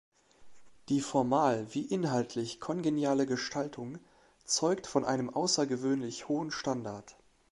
Die formal wie inhaltlich kongeniale Gestaltung zeugt von einem außergewöhnlich hohen Standard.